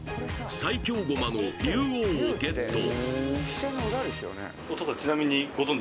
最強駒の竜王をゲット